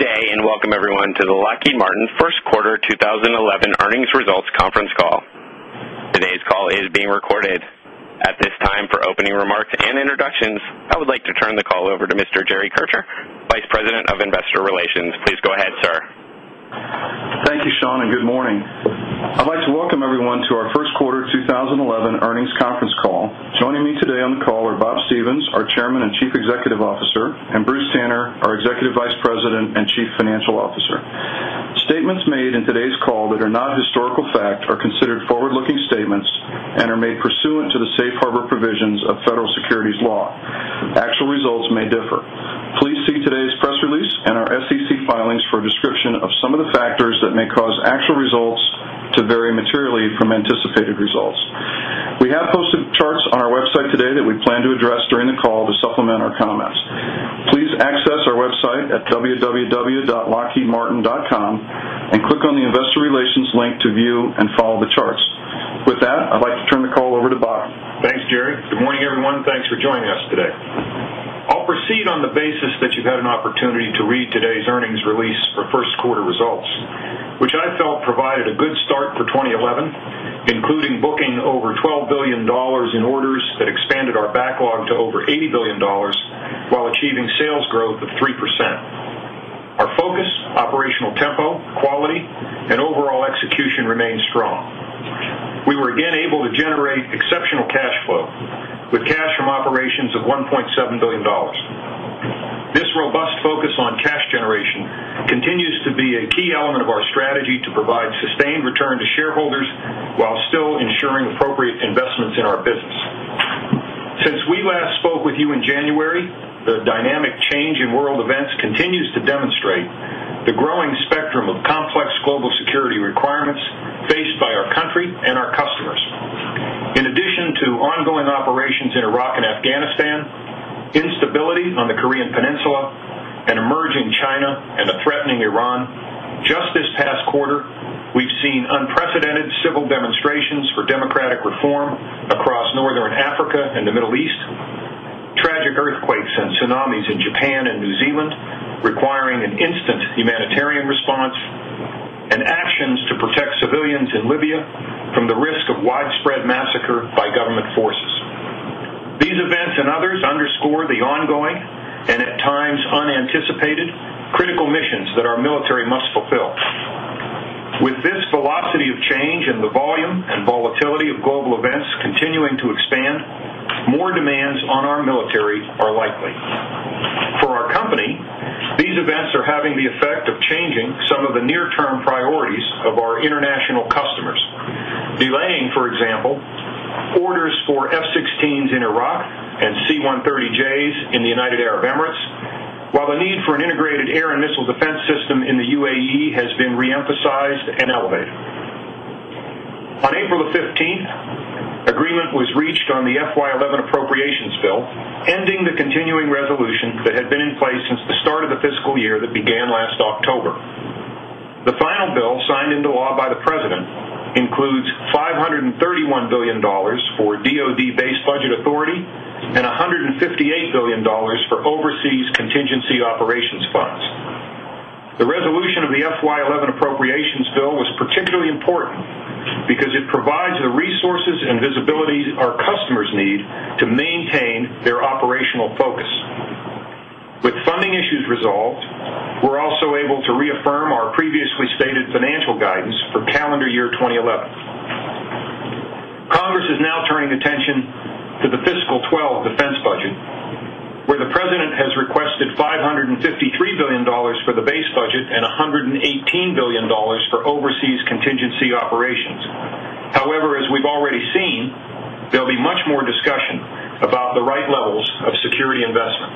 Good day and welcome everyone to the Lockheed Martin First Quarter 2011 Earnings Results Conference Call. Today's call is being recorded. At this time, for opening remarks and introductions, I would like to turn the call over to Mr. Jerry Kircher, Vice President of Investor Relations. Please go ahead, sir. Thank you, Sean, and good morning. I'd like to welcome everyone to our First Quarter 2011 Earnings Conference Call. Joining me today on the call are Bob Stevens, our Chairman and Chief Executive Officer, and Bruce Tanner, our Executive Vice President and Chief Financial Officer. Statements made in today's call that are not a historical fact are considered forward-looking statements and are made pursuant to the Safe Harbor provisions of Federal Securities Law. Actual results may differ. Please see today's press release and our SEC filings for a description of some of the factors that may cause actual results to vary materially from anticipated results. We have posted charts on our website today that we plan to address during the call to supplement our comments. Please access our website at www.lockheedmartin.com and click on the Investor Relations link to view and follow the charts. With that, I'd like to turn the call over to Bob. Thanks, Jerry. Good morning, everyone. Thanks for joining us today. I'll proceed on the basis that you've had an opportunity to read today's earnings release for first quarter results, which I felt provided a good start for 2011, including booking over $12 billion in orders that expanded our backlog to over $80 billion while achieving sales growth of 3%. Our focus, operational tempo, quality, and overall execution remained strong. We were again able to generate exceptional cash flow with cash from operations of $1.7 billion. This robust focus on cash generation continues to be a key element of our strategy to provide sustained return to shareholders while still ensuring appropriate investments in our business. Since we last spoke with you in January, the dynamic change in world events continues to demonstrate the growing spectrum of complex global security requirements faced by our country and our customers. In addition to ongoing operations in Iraq and Afghanistan, instability on the Korean Peninsula, an emerging China, and the threatening Iran, just this past quarter, we've seen unprecedented civil demonstrations for democratic reform across Northern Africa and the Middle East, tragic earthquakes and tsunamis in Japan and New Zealand requiring an instant humanitarian response, and actions to protect civilians in Libya from the risk of widespread massacre by government forces. These events and others underscore the ongoing and at times unanticipated critical missions that our military must fulfill. With this velocity of change and the volume and volatility of global events continuing to expand, more demands on our military are likely. For our company, these events are having the effect of changing some of the near-term priorities of our international customers, delaying, for example, orders for F-16s in Iraq and C-130Js in the United Arab Emirates, while the need for an integrated air and missile defense system in the United Arab Emirates has been re-emphasized and elevated. On April the 15th, an agreement was reached on the FY 2011 appropriations bill, ending the continuing resolution that had been in place since the start of the fiscal year that began last October. The final bill signed into law by the President includes $531 billion for DOD-based budget authority and $158 billion for Overseas Contingency Operations Funds. The resolution of the FY 2011 Appropriations Bill was particularly important because it provides the resources and visibility our customers need to maintain their operational focus. With funding issues resolved, we're also able to reaffirm our previously stated financial guidance for calendar year 2011. Congress is now turning attention to the fiscal 2012 defense budget, where the President has requested $553 billion for the base budget and $118 billion for Overseas Contingency Operations. However, as we've already seen, there'll be much more discussion about the right levels of security investment.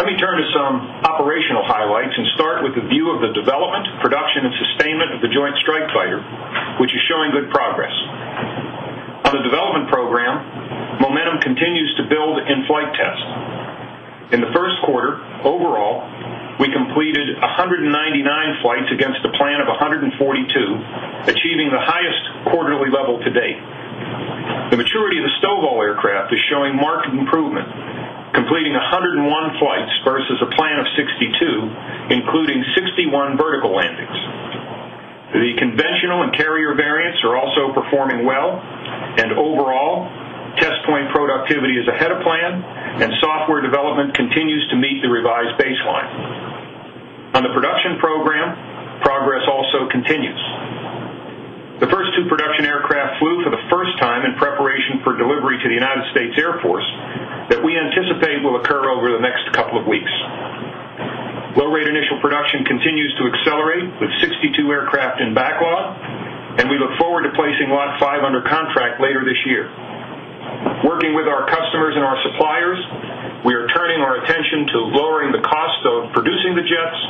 Let me turn to some operational highlights and start with the view of the development, production, and sustainment of the Joint Strike Fighter, which is showing good progress. On the development program, momentum continues to build in flight tests. In the first quarter, overall, we completed 199 flights against the plan of 142, achieving the highest quarterly level to date. The maturity of the STOVL aircraft is showing marked improvement, completing 101 flights versus a plan of 62, including 61 vertical landings. The conventional and carrier variants are also performing well, and overall, test plane productivity is ahead of plan, and software development continues to meet the revised baseline. On the production program, progress also continues. The first two production aircraft flew for the first time in preparation for delivery to the United States Air Force that we anticipate will occur over the next couple of weeks. Low-rate initial production continues to accelerate with 62 aircraft in backlog, and we look forward to placing Lot 5 under contract later this year. Working with our customers and our suppliers, we are turning our attention to lowering the cost of producing the jets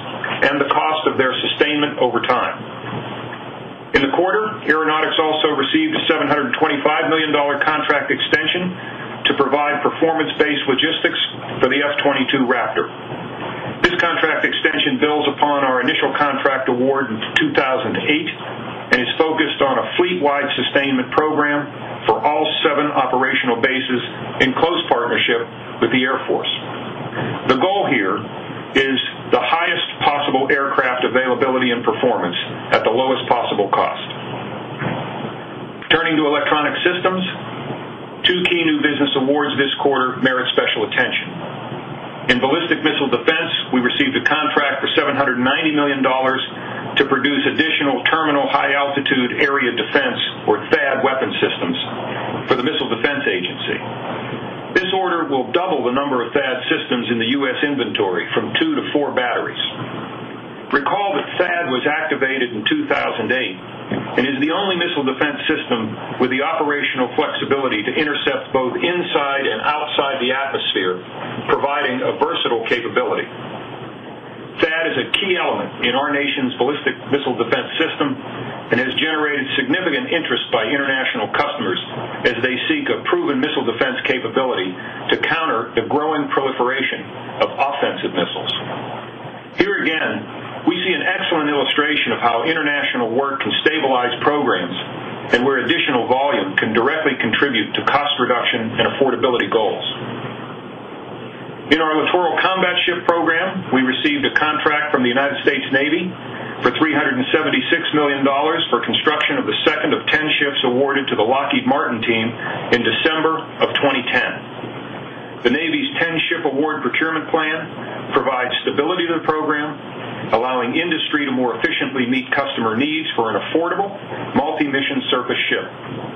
and the cost of their sustainment over time. In the quarter, Aeronautics also received a $725 million contract extension to provide performance-based logistics for the F-22 Raptor. This contract extension builds upon our initial contract award in 2008 and is focused on a fleet-wide sustainment program for all seven operational bases in close partnership with the Air Force. The goal here is the highest possible aircraft availability and performance at the lowest possible cost. Turning to Electronic Systems, two key new business awards this quarter merit special attention. In ballistic missile defense, we received a contract for $790 million to produce additional Terminal High Altitude Area Defense, or THAAD, weapon systems for the Missile Defense Agency. This order will double the number of THAAD systems in the U.S. inventory from two to four batteries. Recall that THAAD was activated in 2008 and is the only missile defense system with the operational flexibility to intercept both inside and outside the atmosphere, providing a versatile capability. THAAD is a key element in our nation's ballistic missile defense system and has generated significant interest by international customers as they seek a proven missile defense capability to counter the growing proliferation of offensive missiles. Here again, we see an excellent illustration of how international work can stabilize programs and where additional volume can directly contribute to cost reduction and affordability goals. In our Littoral Combat Ship program, we received a contract from the United States Navy for $376 million for construction of the second of 10 ships awarded to the Lockheed Martin team in December 2010. The Navy's 10-ship award procurement plan provides stability to the program, allowing industry to more efficiently meet customer needs for an affordable, multi-mission surface ship.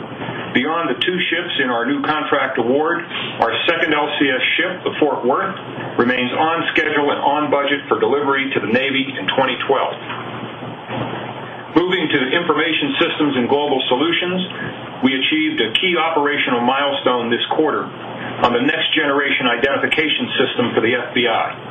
Beyond the two ships in our new contract award, our second LCS ship, the Fort Worth, remains on schedule and on budget for delivery to the Navy in 2012. Moving to Information Systems and Global Solutions, we achieved a key operational milestone this quarter on the Next Generation Identification system for the FBI.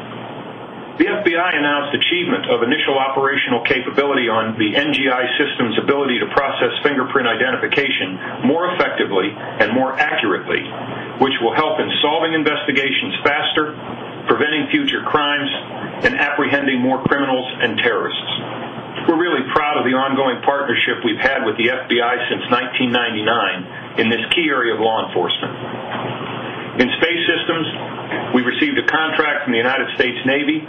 The FBI announced achievement of initial operational capability on the NGI system's ability to process fingerprint identification more effectively and more accurately, which will help in solving investigations faster, preventing future crimes, and apprehending more criminals and terrorists. We're really proud of the ongoing partnership we've had with the FBI since 1999 in this key area of law enforcement. In Space Systems, we received a contract from the United States Navy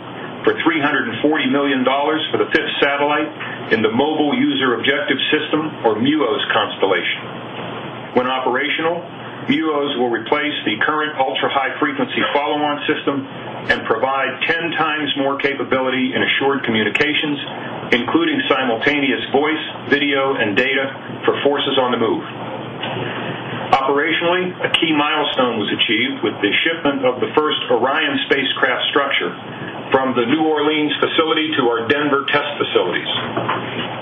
for $340 million for the fifth satellite in the Mobile User Objective System, or MUOS, constellation. When operational, MUOS will replace the current ultra-high-frequency follow-on system and provide 10x more capability in assured communications, including simultaneous voice, video, and data for forces on the move. Operationally, a key milestone was achieved with the shipment of the first Orion spacecraft structure from the New Orleans facility to our Denver test facilities.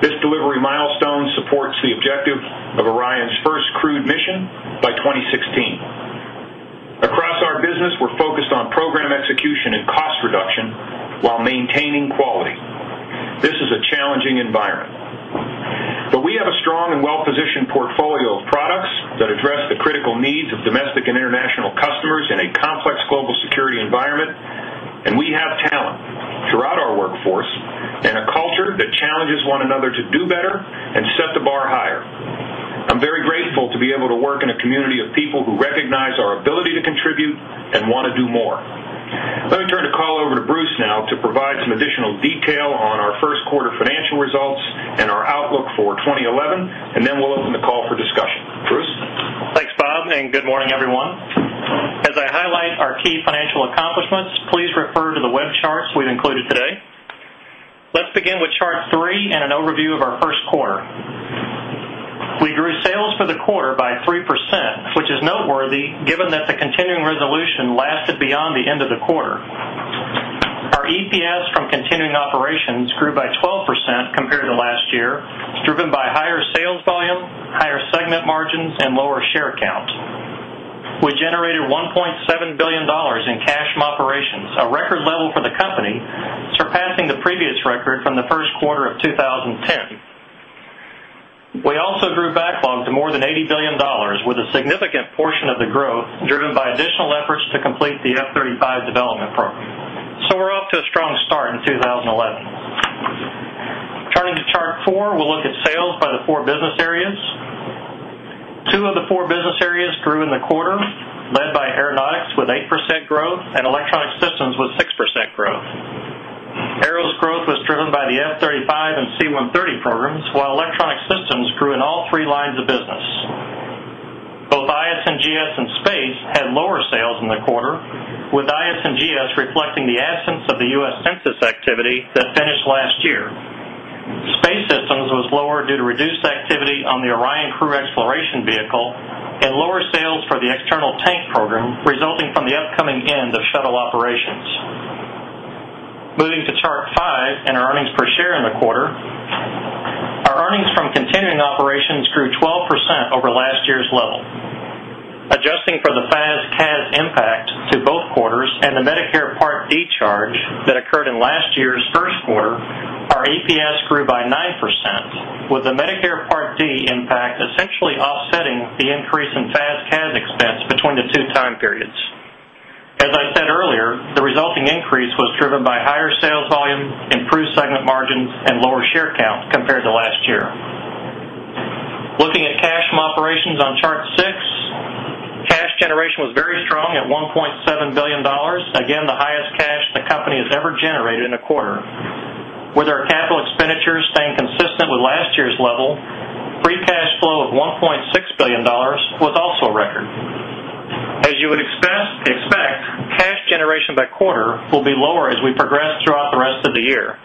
This delivery milestone supports the objective of Orion's first crewed mission by 2016. Across our business, we're focused on program execution and cost reduction while maintaining quality. This is a challenging environment. We have a strong and well-positioned portfolio of products that address the critical needs of domestic and international customers in a complex global security environment, and we have talent throughout our workforce and a culture that challenges one another to do better and set the bar higher. I'm very grateful to be able to work in a community of people who recognize our ability to contribute and want to do more. Let me turn the call over to Bruce now to provide some additional detail on our first quarter financial results and our outlook for 2011, and then we'll open the call for discussion. Bruce. Thanks, Bob, and good morning, everyone. As I highlight our key financial accomplishments, please refer to the web charts we've included today. Let's begin with chart three and an overview of our first quarter. We grew sales for the quarter by 3%, which is noteworthy given that the continuing resolution lasted beyond the end of the quarter. Our EPS from continuing operations grew by 12% compared to last year, driven by higher sales volume, higher segment margins, and lower share count. We generated $1.7 billion in cash from operations, a record level for the company, surpassing the previous record from the first quarter of 2010. We also grew backlog to more than $80 billion, with a significant portion of the growth driven by additional efforts to complete the F-35 development program. We're off to a strong start in 2011. Turning to chart four, we'll look at sales by the four business areas. Two of the four business areas grew in the quarter, led by Aeronautics with 8% growth and Electronic Systems with 6% growth. Aero's growth was driven by the F-35 and C-130 programs, while Electronic Systems grew in all three lines of business. Both IS and GS in Space had lower sales in the quarter, with IS and GS reflecting the absence of the U.S. census activity that finished last year. Space Systems was lower due to reduced activity on the Orion crew exploration vehicle and lower sales for the external tank program, resulting from the upcoming end of federal operations. Moving to chart five and our earnings per share in the quarter, our earnings from continuing operations grew 12% over last year's level. Adjusting for the FAS/CAD impact to both quarters and the Medicare Part D charge that occurred in last year's first quarter, our EPS grew by 9%, with the Medicare Part D impact essentially offsetting the increase in FAS/CAD expense between the two time periods. As I said earlier, the resulting increase was driven by higher sales volume, improved segment margins, and lower share count compared to last year. Looking at cash from operations on chart six, cash generation was very strong at $1.7 billion, again the highest cash the company has ever generated in a quarter. With our capital expenditures staying consistent with last year's level, free cash flow of $1.6 billion was also a record. As you would expect, cash generation by quarter will be lower as we progress throughout the rest of the year.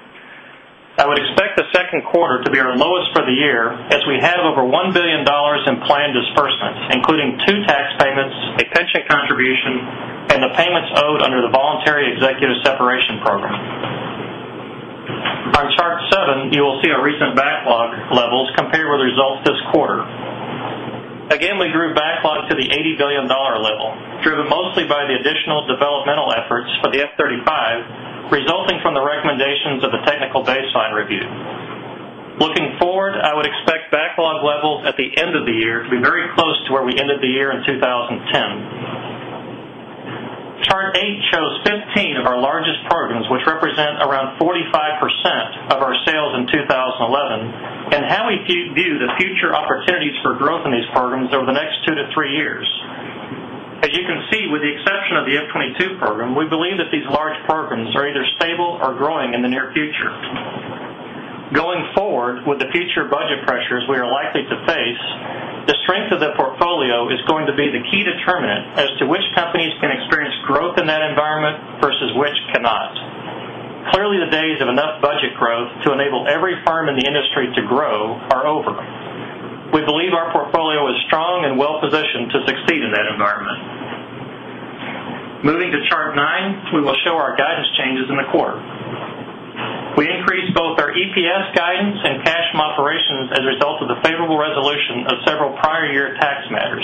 I would expect the second quarter to be our lowest for the year, as we have over $1 billion in planned disbursements, including two tax payments, a pension contribution, and the payments owed under the Voluntary Executive Separation Program. On chart seven, you will see our recent backlog levels compared with results this quarter. Again, we grew backlog to the $80 billion level, driven mostly by the additional developmental efforts for the F-35, resulting from the recommendations of the technical baseline review. Looking forward, I would expect backlog levels at the end of the year to be very close to where we ended the year in 2010. Chart eight shows 15 of our largest programs, which represent around 45% of our sales in 2011, and how we view the future opportunities for growth in these programs over the next two to three years. As you can see, with the exception of the F-22 program, we believe that these large programs are either stable or growing in the near future. Going forward, with the future budget pressures we are likely to face, the strength of the portfolio is going to be the key determinant as to which companies can experience growth in that environment versus which cannot. Clearly, the days of enough budget growth to enable every firm in the industry to grow are over. We believe our portfolio is strong and well-positioned to succeed in that environment. Moving to chart nine, we will show our guidance changes in the quarter. We increased both our EPS guidance and cash from operations as a result of the favorable resolution of several prior year tax matters.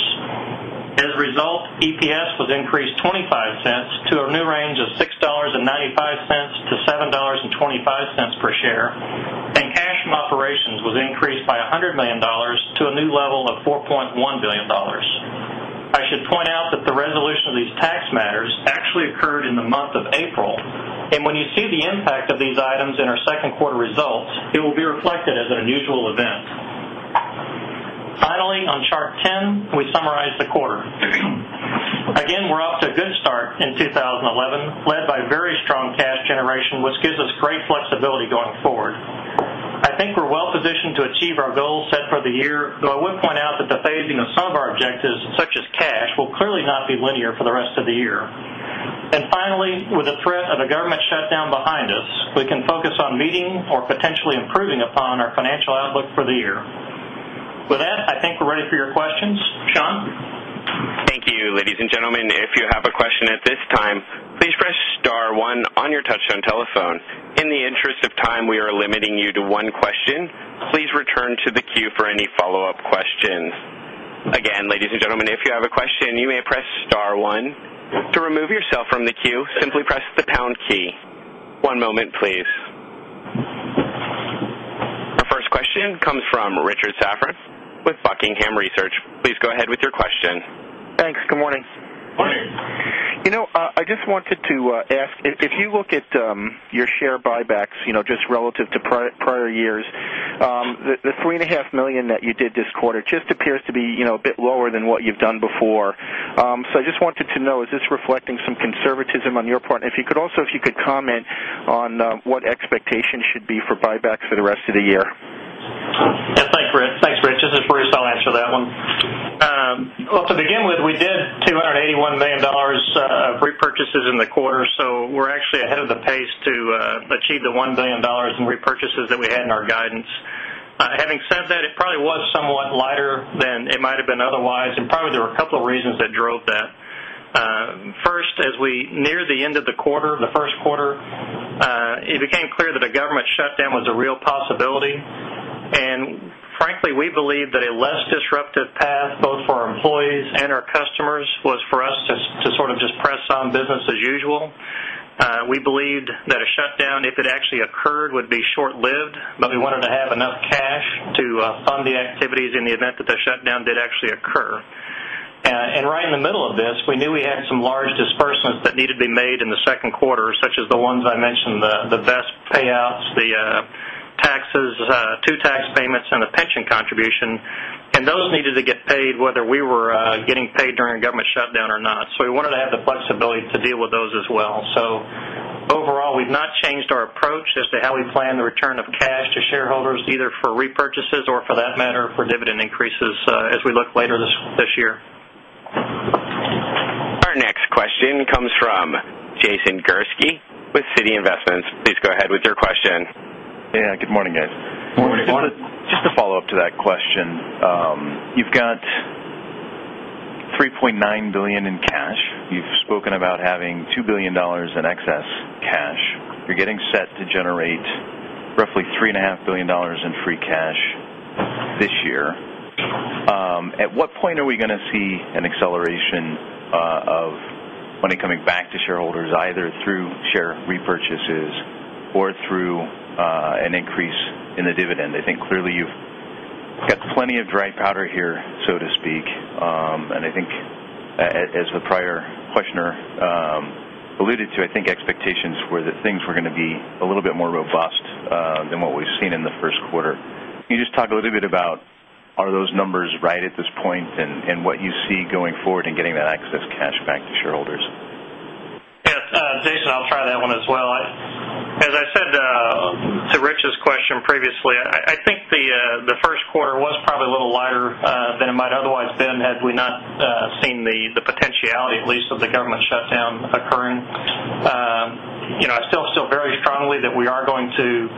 As a result, EPS was increased $0.25 to a new range of $6.95-$7.25 per share, and cash from operations was increased by $100 million to a new level of $4.1 billion. I should point out that the resolution of these tax matters actually occurred in the month of April, and when you see the impact of these items in our second quarter results, it will be reflected as an unusual event. Finally, on chart 10, we summarize the quarter. Again, we're off to a good start in 2011, led by very strong cash generation, which gives us great flexibility going forward. I think we're well-positioned to achieve our goals set for the year, though I would point out that the phasing of some of our objectives, such as cash, will clearly not be linear for the rest of the year. With the threat of a government shutdown behind us, we can focus on meeting or potentially improving upon our financial outlook for the year. With that, I think we're ready for your questions. Sean? Thank you, ladies and gentlemen. If you have a question at this time, please press star one on your touch-tone telephone. In the interest of time, we are limiting you to one question. Please return to the queue for any follow-up questions. Again, ladies and gentlemen, if you have a question, you may press star one. To remove yourself from the queue, simply press the pound key. One moment, please. Our first question comes from Richard Safran with Buckingham Research. Please go ahead with your question. Thanks. Good morning. Morning. You know, I just wanted to ask, if you look at your share buybacks, you know, just relative to prior years, the $3.5 million that you did this quarter just appears to be, you know, a bit lower than what you've done before. I just wanted to know, is this reflecting some conservatism on your part? If you could also, if you could comment on what expectations should be for buybacks for the rest of the year. Yeah, thanks, Rich. First, I'll answer that one. To begin with, we did $281 million of repurchases in the quarter, so we're actually ahead of the pace to achieve the $1 billion in repurchases that we had in our guidance. Having said that, it probably was somewhat lighter than it might have been otherwise, and probably there were a couple of reasons that drove that. First, as we neared the end of the quarter, the first quarter, it became clear that a government shutdown was a real possibility. Frankly, we believed that a less disruptive path, both for our employees and our customers, was for us to sort of just press on business as usual. We believed that a shutdown, if it actually occurred, would be short-lived, but we wanted to have enough cash to fund the activities in the event that the shutdown did actually occur. Right in the middle of this, we knew we had some large disbursements that needed to be made in the second quarter, such as the ones I mentioned, the vest payouts, the taxes, two tax payments, and the pension contribution. Those needed to get paid whether we were getting paid during a government shutdown or not. We wanted to have the flexibility to deal with those as well. Overall, we've not changed our approach as to how we plan the return of cash to shareholders, either for repurchases or, for that matter, for dividend increases as we look later this year. Our next question comes from Jason Gursky with Citi Investments. Please go ahead with your question. Yeah, good morning, guys. Morning. Just to follow up to that question, you've got $3.9 billion in cash. You've spoken about having $2 billion in excess cash. You're getting set to generate roughly $3.5 billion in free cash this year. At what point are we going to see an acceleration of money coming back to shareholders, either through share repurchases or through an increase in the dividend? I think clearly you've got plenty of dry powder here, so to speak. I think, as the prior questioner alluded to, expectations were that things were going to be a little bit more robust than what we've seen in the first quarter. Can you just talk a little bit about, are those numbers right at this point and what you see going forward in getting that excess cash back to shareholders? Yeah, Jason, I'll try that one as well. As I said to Rich's question previously, I think the first quarter was probably a little lighter than it might otherwise have been had we not seen the potentiality, at least, of the government shutdown occurring. I still feel very strongly that we are going to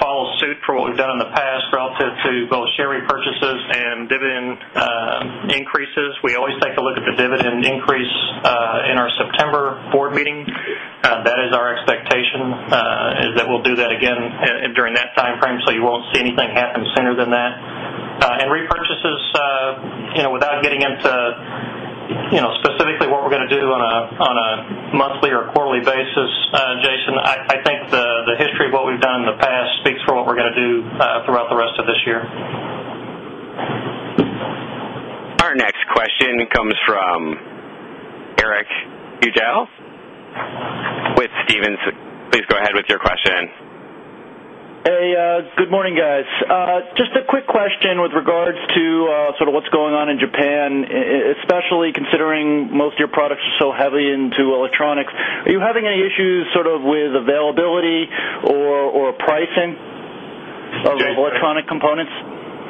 follow suit for what we've done in the past relative to both share repurchases and dividend increases. We always take a look at the dividend increase in our September board meeting. That is our expectation, that we'll do that again during that timeframe, so you won't see anything happen sooner than that. Repurchases, without getting into specifically what we're going to do on a monthly or quarterly basis, Jason, I think the history of what we've done in the past speaks for what we're going to do throughout the rest of this year. Our next question comes from Eric Hugel with Stephens. Please go ahead with your question. Hey, good morning, guys. Just a quick question with regards to sort of what's going on in Japan, especially considering most of your products are so heavy into electronics. Are you having any issues with availability or pricing of electronic components?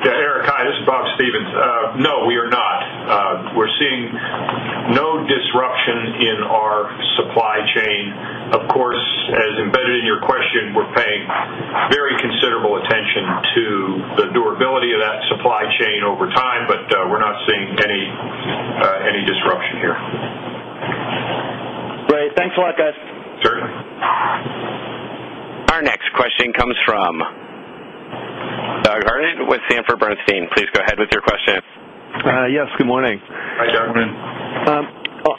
Yeah, Eric, hi, this is Bob Stevens. No, we are not. We're seeing no disruption in our supply chain. Of course, as embedded in your question, we're paying very considerable attention to the durability of that supply chain over time, but we're not seeing any disruption here. Great, thanks a lot, guys. Certainly. Our next question comes from Doug Harned with Sanford Bernstein. Please go ahead with your question. Yes, good morning. Hi, Doug.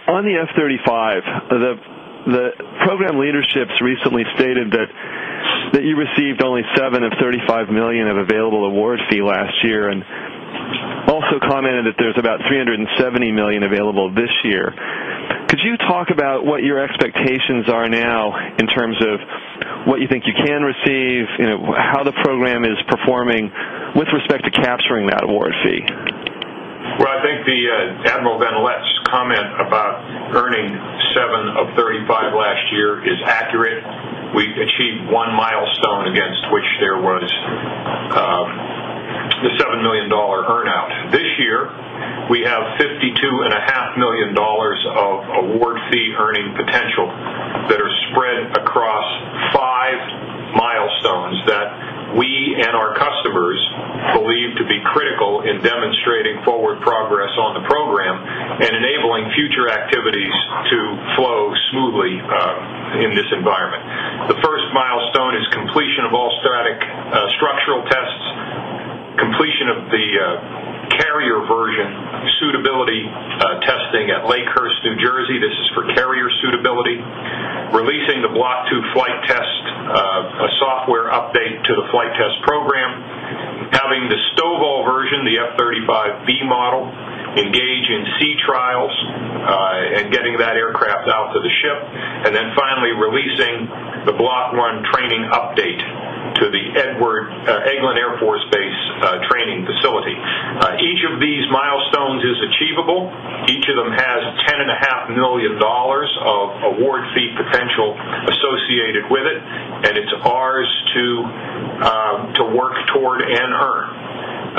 On the F-35, the program leadership recently stated that you received only $7 million of $35 million available awards fee last year and also commented that there's about $370 million available this year. Could you talk about what your expectations are now in terms of what you think you can receive, you know, how the program is performing with respect to capturing that award fee? I think the Admiral Van Lesch's comment about earning $7 million of $35 million last year is accurate. We achieved one milestone against which there was the $7 million earnout. This year, we have $52.5 million of award fee earning potential that are spread across five milestones that we and our customers believe to be critical in demonstrating forward progress on the program and enabling future activities to flow smoothly in this environment. The first milestone is completion of all static structural tests, completion of the carrier version suitability testing at Lakehurst, New Jersey. This is for carrier suitability. Releasing the Block 2 flight test, a software update to the flight test program, having the STOVL version, the F-35B model, engage in sea trials and getting that aircraft out to the ship, and then finally releasing the Block 1 training update to the Eglin Air Force Base training facility. Each of these milestones is achievable. Each of them has $10.5 million of award fee potential associated with it, and it's ours to work toward and earn.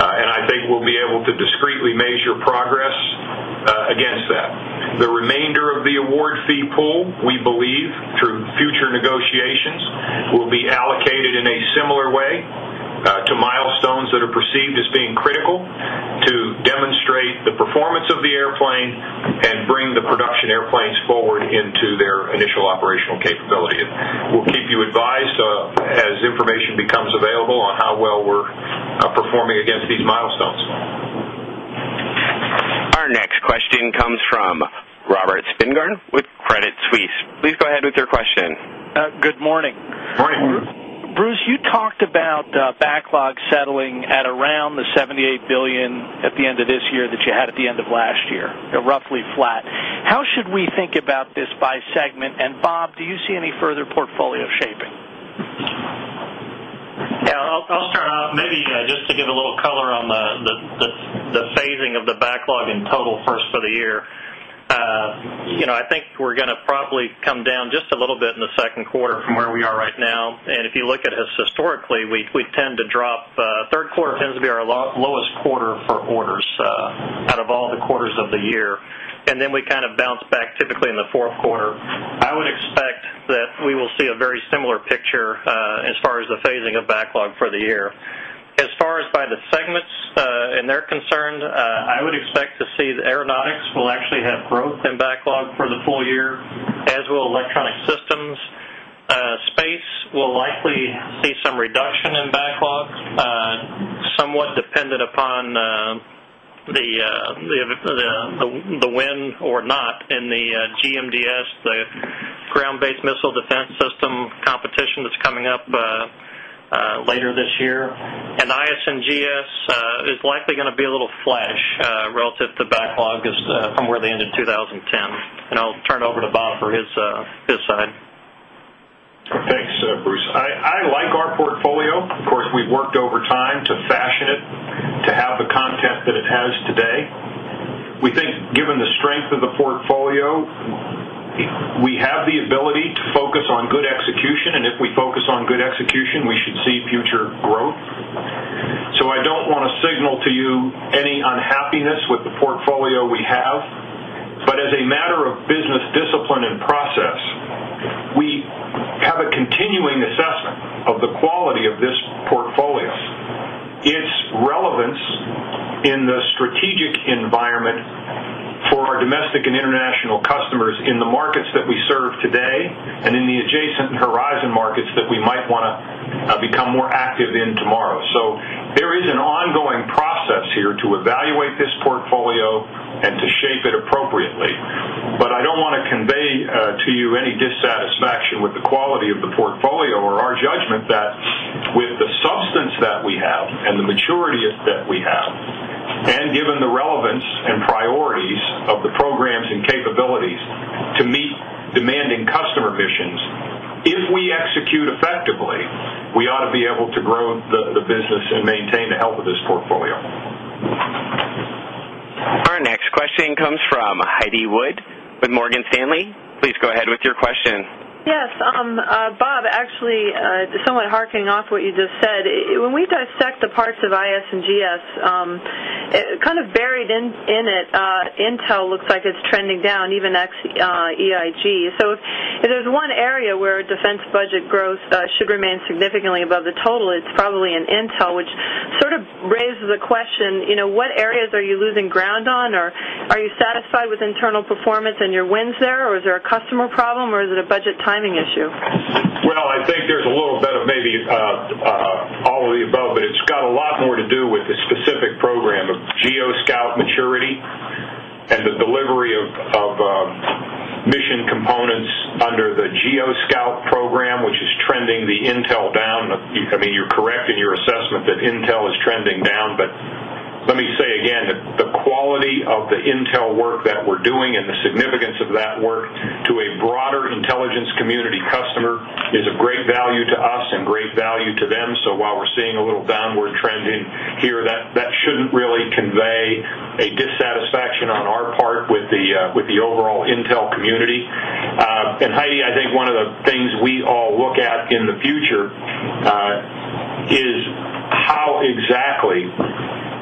I think we'll be able to discretely measure progress against that. The remainder of the award fee pool, we believe, through future negotiations, will be allocated in a similar way to milestones that are perceived as being critical to demonstrate the performance of the airplane and bring the production airplanes forward into their initial operational capability. We'll keep you advised as information becomes available on how well we're performing against these milestones. Our next question comes from Robert Spingarn with Credit Suisse. Please go ahead with your question. Good morning. Morning. Bruce, you talked about backlog settling at around $78 billion at the end of this year that you had at the end of last year, roughly flat. How should we think about this by segment? Bob, do you see any further portfolio shaping? I'll start off. Maybe just to give a little color on the phasing of the backlog in total first for the year. I think we're going to probably come down just a little bit in the second quarter from where we are right now. If you look at us historically, we tend to drop. The third quarter tends to be our lowest quarter for orders out of all the quarters of the year. We kind of bounce back typically in the fourth quarter. I would expect that we will see a very similar picture as far as the phasing of backlog for the year. As far as by the segments and they're concerned, I would expect to see the Aeronautics will actually have growth in backlog for the full year, as will Electronic Systems. Space will likely see some reduction in backlog, somewhat dependent upon the win or not in the GMDS, the ground-based missile defense system competition that's coming up later this year. IS and GS is likely going to be a little flush relative to backlog as from where they ended in 2010. I'll turn it over to Bob for his side. Thanks, Bruce. I like our portfolio. Of course, we've worked over time to fashion it to have the context that it has today. We think, given the strength of the portfolio, we have the ability to focus on good execution. If we focus on good execution, we should see future growth. I don't want to signal to you any unhappiness with the portfolio we have. As a matter of business discipline and process, we have a continuing assessment of the quality of this portfolio, its relevance in the strategic environment for our domestic and international customers in the markets that we serve today and in the adjacent horizon markets that we might want to become more active in tomorrow. There is an ongoing process here to evaluate this portfolio and to shape it appropriately. I don't want to convey to you any dissatisfaction with the quality of the portfolio or our judgment that with the substance that we have and the maturity that we have and given the relevance and priorities of the programs and capabilities to meet demanding customer missions, if we execute effectively, we ought to be able to grow the business and maintain the health of this portfolio. Our next question comes from Heidi Wood with Morgan Stanley. Please go ahead with your question. Yes. Bob, actually, somewhat harking off what you just said, when we dissect the parts of IS and GS, kind of buried in it, Intel looks like it's trending down, even EIG. If there's one area where defense budget growth should remain significantly above the total, it's probably in Intel, which sort of raises the question, you know, what areas are you losing ground on? Are you satisfied with internal performance and your wins there? Is there a customer problem? Is it a budget timing issue? I think there's a little bit of maybe all of the above, but it's got a lot more to do with the specific program of GeoScout maturity and the delivery of mission components under the GeoScout program, which is trending the Intel down. You're correct in your assessment that Intel is trending down. Let me say again, the quality of the Intel work that we're doing and the significance of that work to a broader intelligence community customer is of great value to us and great value to them. While we're seeing a little downward trending here, that shouldn't really convey a dissatisfaction on our part with the overall Intel community. Heidi, I think one of the things we all look at in the future is how exactly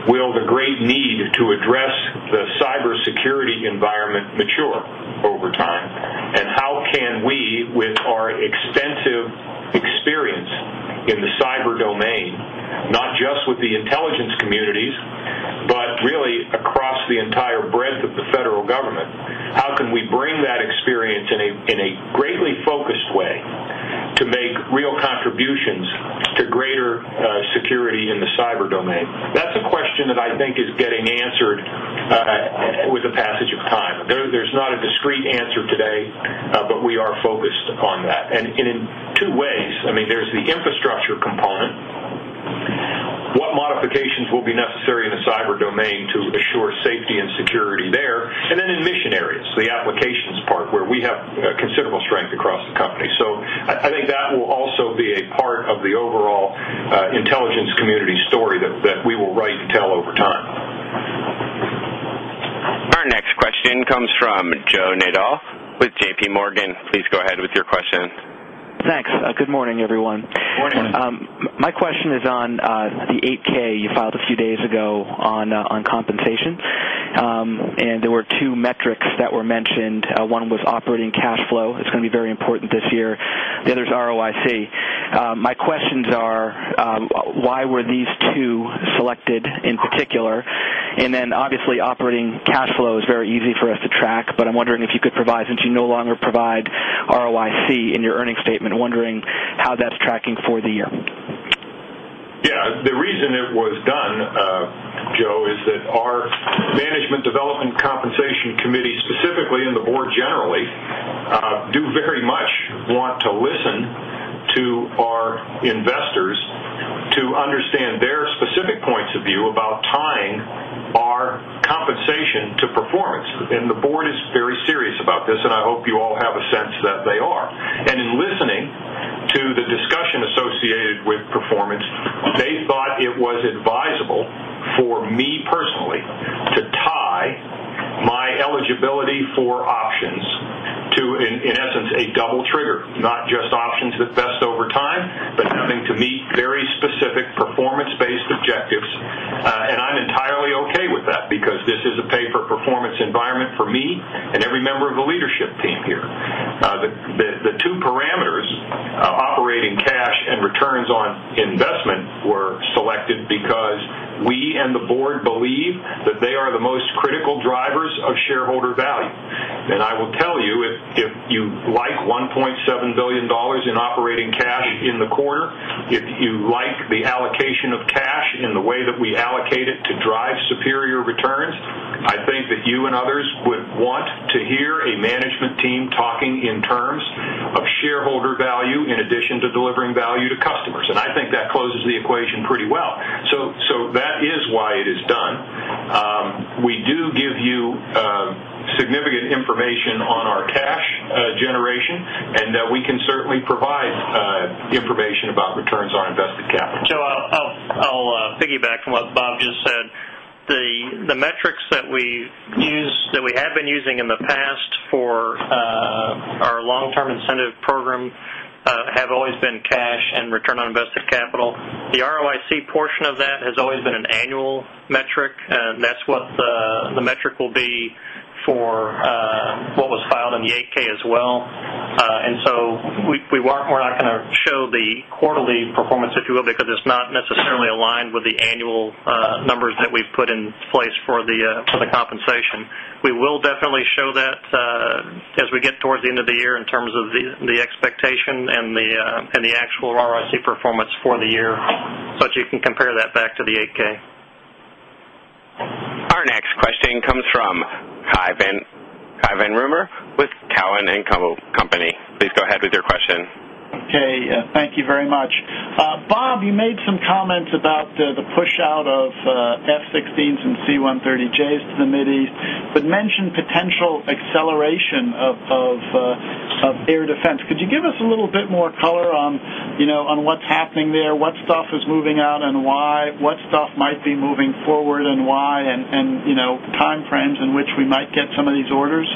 will the great need to address the cybersecurity environment mature over time? How can we, with our extensive experience in the cyber domain, not just with the intelligence communities, but really across the entire breadth of the federal government, bring that experience in a greatly focused way to make real contributions to greater security in the cyber domain? That's a question that I think is getting answered with the passage of time. There's not a discrete answer today, but we are focused upon that. In two ways, there's the infrastructure component. What modifications will be necessary in the cyber domain to assure safety and security there? Then in mission areas, the applications part where we have considerable strength across the company. I think that will also be a part of the overall intelligence community story that we will write and tell over time. Our next question comes from Joe Nadol with JPMorgan. Please go ahead with your question. Thanks. Good morning, everyone. Morning. My question is on the 8K you filed a few days ago on compensation. There were two metrics that were mentioned. One was operating cash flow. It's going to be very important this year. The other is ROIC. My questions are, why were these two selected in particular? Obviously, operating cash flow is very easy for us to track, but I'm wondering if you could provide, since you no longer provide ROIC in your earnings statement, I'm wondering how that's tracking for the year. Yeah, the reason it was done, Joe, is that our Management Development Compensation Committee, specifically and the Board generally, do very much want to listen to our investors to understand their specific points of view about tying our compensation to performance. The Board is very serious about this, and I hope you all have a sense that they are. In listening to the discussion associated with performance, they thought it was advisable for me personally to tie my eligibility for options to, in essence, a double trigger, not just options that vest over time, but having to meet very specific performance-based objectives. I'm entirely okay with that because this is a pay-for-performance environment for me and every member of the leadership team here. The two parameters, operating cash and returns on investment, were selected because we and the Board believe that they are the most critical drivers of shareholder value. I will tell you, if you like $1.7 billion in operating cash in the quarter, if you like the allocation of cash in the way that we allocate it to drive superior returns, I think that you and others would want to hear a management team talking in terms of shareholder value in addition to delivering value to customers. I think that closes the equation pretty well. That is why it is done. We do give you significant information on our cash generation, and we can certainly provide information about returns on invested capital. I'll piggyback from what Bob just said. The metrics that we use, that we have been using in the past for our long-term incentive program have always been cash and return on invested capital. The ROIC portion of that has always been an annual metric, and that's what the metric will be for what was filed in the 8-K as well. We're not going to show the quarterly performance that you will because it's not necessarily aligned with the annual numbers that we've put in place for the compensation. We will definitely show that as we get towards the end of the year in terms of the expectation and the actual ROIC performance for the year, but you can compare that back to the 8-K. Our next question comes from Cai Von Rumohr with TD Cowen and Company. Please go ahead with your question. Okay, thank you very much. Bob, you made some comments about the push-out of F-16s and C-130Js to the Middle East, but mentioned potential acceleration of air defense. Could you give us a little bit more color on what's happening there, what stuff is moving out and why, what stuff might be moving forward and why, and timeframes in which we might get some of these orders?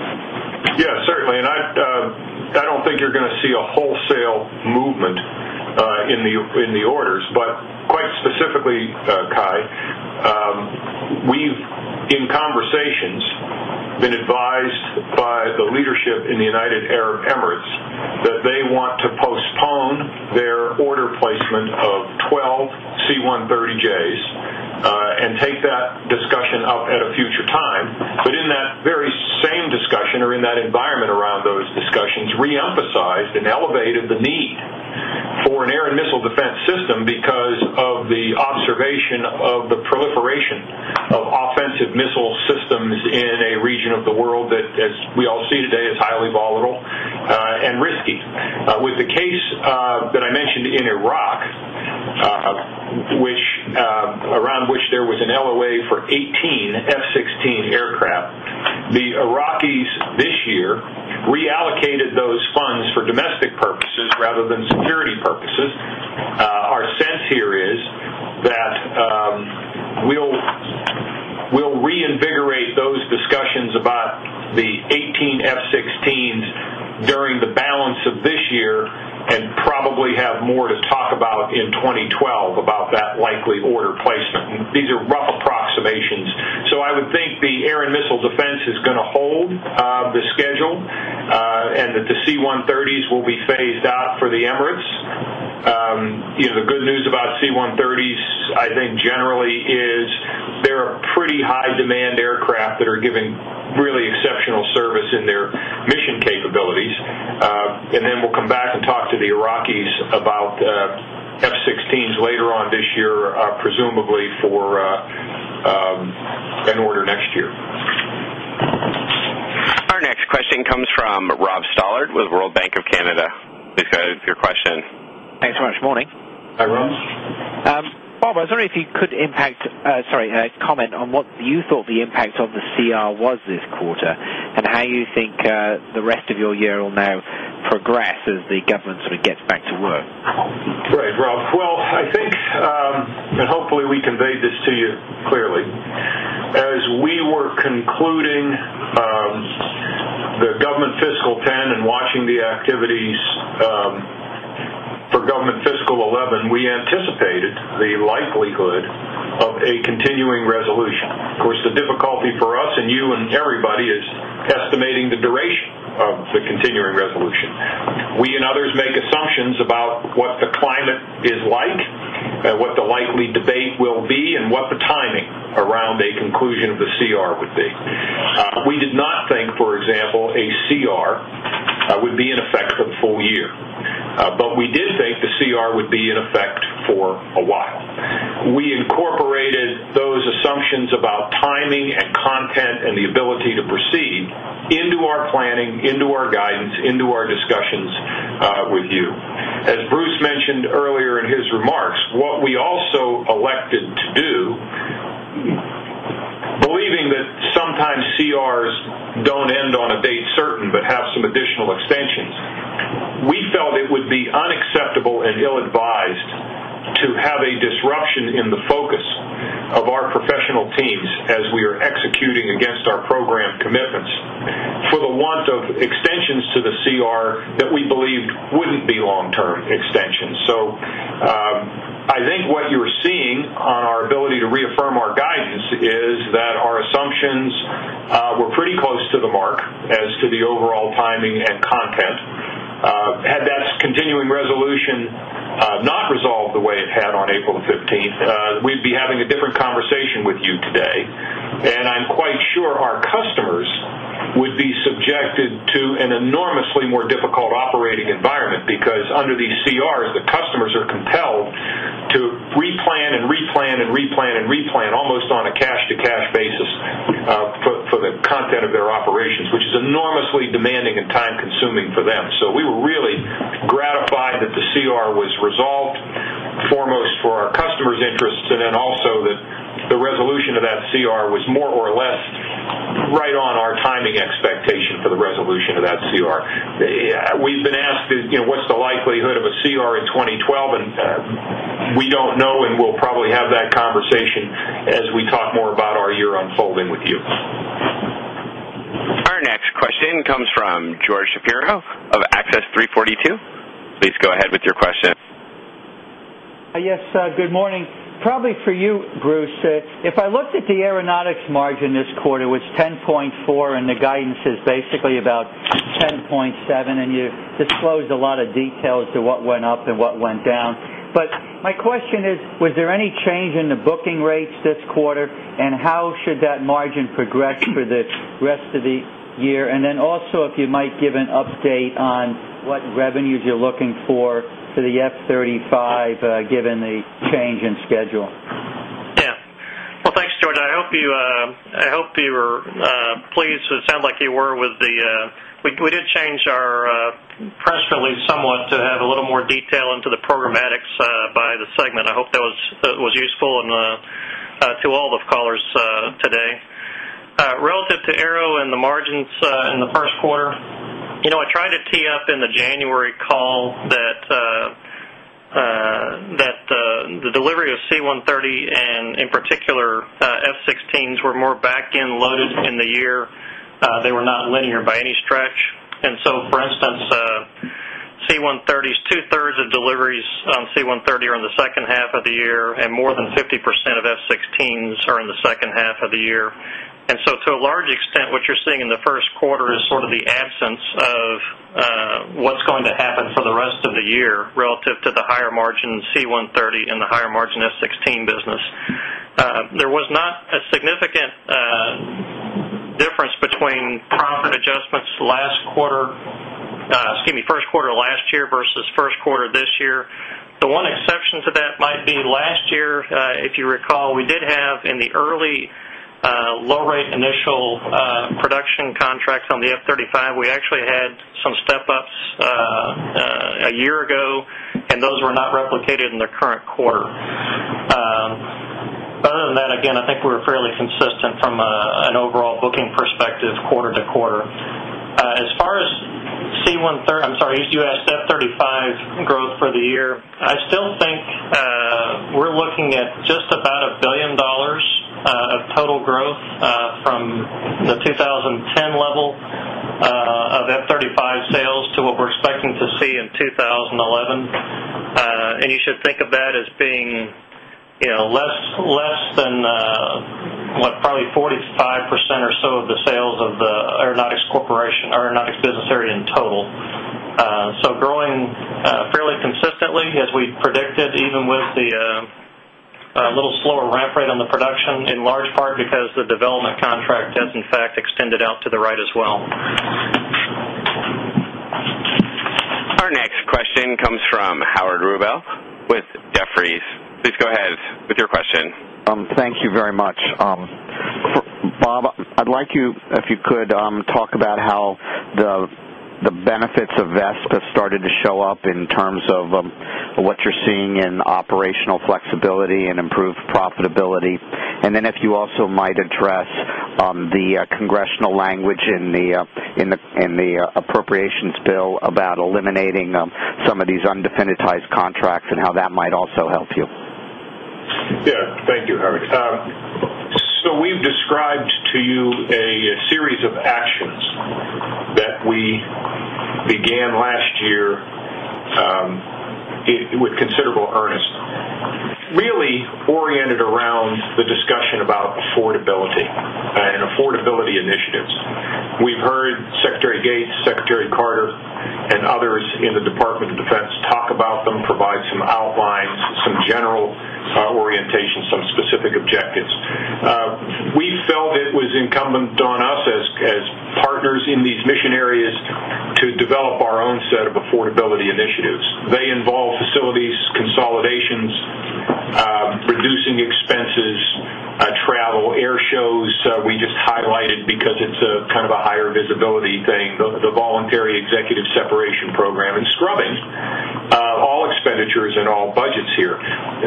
Yeah, certainly. I don't think you're going to see a wholesale movement in the orders, but quite specifically, Kai, we've, in conversations, been advised by the leadership in the United Arab Emirates that they want to postpone their order placement of 12 C-130Js and take that discussion up at a future time. In that very same discussion, or in that environment around those discussions, we emphasized and elevated the need for an air and missile defense system because of the observation of the proliferation of offensive missile systems in a region of the world that, as we all see today, is highly volatile and risky. With the case that I mentioned in Iraq, around which there was an LOA for 18 F-16 aircraft, the Iraqi's this year reallocated those funds for domestic purposes rather than security purposes. Our sense here is that we'll reinvigorate those discussions about the 18 F-16s during the balance of this year and probably have more to talk about in 2012 about that likely order placement. These are rough approximations. I would think the air and missile defense is going to hold the schedule, and that the C-130s will be phased out for the Emirates. You know, the good news about C-130s, I think, generally is they're a pretty high-demand aircraft that are giving really exceptional service in their mission capabilities. Then we'll come back and talk to the Iraqis about F-16s later on this year, presumably for an order next year. Our next question comes from Rob Stallard with Royal Bank of Canada. Please go ahead with your question. Thanks so much. Good morning. Hi, Rob. Bob, I was wondering if you could comment on what you thought the impact on the CR was this quarter and how you think the rest of your year will now progress as the government sort of gets back to work. Right, Rob. I think, and hopefully we conveyed this to you clearly, as we were concluding the government fiscal 2010 and watching the activities for government fiscal 2011, we anticipated the likelihood of a continuing resolution. Of course, the difficulty for us and you and everybody is estimating the duration of the continuing resolution. We and others make assumptions about what the climate is like, what the likely debate will be, and what the timing around a conclusion of the CR would be. We did not think, for example, a CR would be in effect for the full year. We did think the CR would be in effect for a while. We incorporated those assumptions about timing and content and the ability to proceed into our planning, into our guidance, into our discussions with you. As Bruce mentioned earlier in his remarks, what we also elected to do, believing that sometimes CRs don't end on a date certain but have some additional extensions, we felt it would be unacceptable and ill-advised to have a disruption in the focus of our professional teams as we are executing against our program commitments for the want of extensions to the CR that we believe wouldn't be long-term extensions. I think what you're seeing on our ability to reaffirm our guidance is that our assumptions were pretty close to the mark as to the overall timing and content. Had that continuing resolution not resolved the way it had on April 15, we'd be having a different conversation with you today. I'm quite sure our customers would be subjected to an enormously more difficult operating environment because under these CRs, the customers are compelled to free plan and replan and replan and replan almost on a cash-to-cash basis for the content of their operations, which is enormously demanding and time-consuming for them. We were really gratified that the CR was resolved, foremost for our customers' interests, and also that the resolution of that CR was more or less right on our timing expectation for the resolution of that CR. We've been asked, you know, what's the likelihood of a CR in 2012, and we don't know, and we'll probably have that conversation as we talk more about our year unfolding with you. Our next question comes from George Shapiro of Access 342. Please go ahead with your question. Yes, good morning. Probably for you, Bruce. If I looked at the Aeronautics margin this quarter, it was 10.4%, and the guidance is basically about 10.7%, and you disclose a lot of details to what went up and what went down. My question is, was there any change in the booking rates this quarter, and how should that margin progress for the rest of the year? Also, if you might give an update on what revenues you're looking for for the F-35, given the change in schedule. Thank you, George. I hope you were pleased, it sounds like you were, with the fact that we did change our press release somewhat to have a little more detail into the programmatics by the segment. I hope that was useful to all the callers today. Relative to Aero and the margins in the first quarter, I tried to tee up in the January call that the delivery of C-130 and, in particular, F-16s were more back-end loaded in the year. They were not linear by any stretch. For instance, C-130s, 2/3 of deliveries on C-130 are in the second half of the year, and more than 50% of F-16s are in the second half of the year. To a large extent, what you're seeing in the first quarter is the absence of what's going to happen for the rest of the year relative to the higher margin C-130 and the higher margin F-16 business. There was not a significant difference between profit adjustments last quarter, excuse me, first quarter last year versus first quarter this year. The one exception to that might be last year, if you recall, we did have in the early low-rate initial production contracts on the F-35, we actually had some step-ups a year ago, and those were not replicated in the current quarter. Other than that, I think we were fairly consistent from an overall booking perspective quarter to quarter. As far as C-130, I'm sorry, you asked F-35 growth for the year. I still think we're looking at just about $1 billion of total growth from the 2010 level of F-35 sales to what we're expecting to see in 2011. You should think of that as being less than, probably 45% or so of the sales of the Aeronautics Corporation or Aeronautics business area in total. Growing fairly consistently, as we predicted, even with the little slower ramp rate on the production in large part because the development contract has, in fact, extended out to the right as well. Our next question comes from Howard Rubel with Jefferies. Please go ahead with your question. Thank you very much. Bob, I'd like you, if you could, talk about how the benefits of VESP have started to show up in terms of what you're seeing in operational flexibility and improved profitability. If you also might address the congressional language in the appropriations bill about eliminating some of these undefended contracts and how that might also help you. Yeah, thank you, Howard. We've described to you a series of actions that we began last year with considerable earnest, really oriented around the discussion about affordability and affordability initiatives. We've heard Secretary Gates, Secretary Carter, and others in the Department of Defense talk about them, provide some outlines, some general orientation, some specific objectives. We felt it was incumbent on us as partners in these mission areas to develop our own set of affordability initiatives. They involve facilities, consolidations, reducing expenses, travel, air shows. We just highlighted, because it's a kind of a higher visibility thing, the voluntary executive separation program, and scrubbing all expenditures and all budgets here.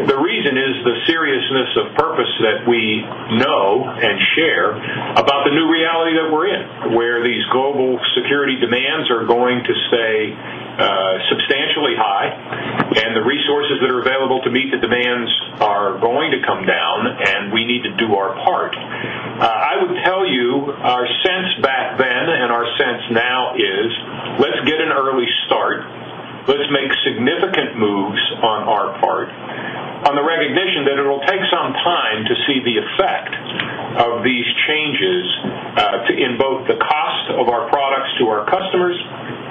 The reason is the seriousness of purpose that we know and share about the new reality that we're in, where these global security demands are going to stay substantially high, and the resources that are available to meet the demands are going to come down, and we need to do our part. I would tell you, our sense back then and our sense now is let's get an early start. Let's make significant moves on our part on the recognition that it will take some time to see the effect of these changes in both the cost of our products to our customers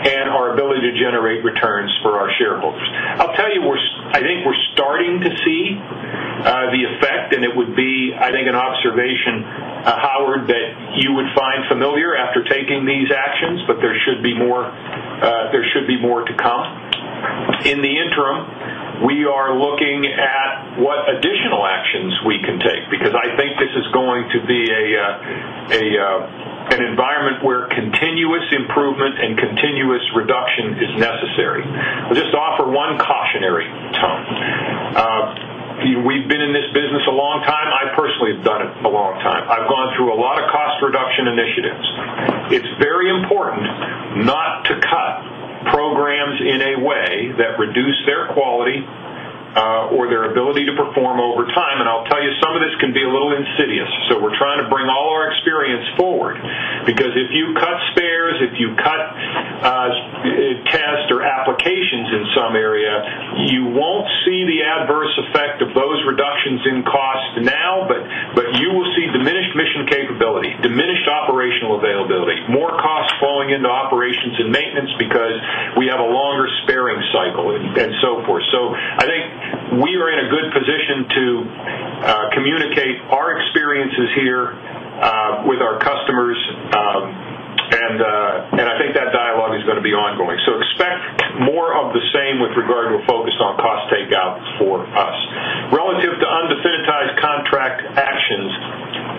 and our ability to generate returns for our shareholders. I think we're starting to see the effect, and it would be, I think, an observation, Howard, that you would find familiar after taking these actions, but there should be more to come. In the interim, we are looking at what additional actions we can take because I think this is going to be an environment where continuous improvement and continuous reduction is necessary. I'll just offer one cautionary tone. We've been in this business a long time. I personally have done it a long time. I've gone through a lot of cost reduction initiatives. It's very important not to cut programs in a way that reduce their quality or their ability to perform over time. Some of this can be a little insidious. We're trying to bring all our experience forward because if you cut spares, if you cut CAS or applications in some area, you won't see the adverse effect of those reductions in cost now, but you will see diminished mission capability, diminished operational availability, more costs falling into operations and maintenance because we have a longer sparing cycle and so forth. I think we are in a good position to communicate our experiences here with our customers, and I think that dialogue is going to be ongoing. Expect more of the same with regard to a focus on cost takeout for us. Relative to undefended contract actions,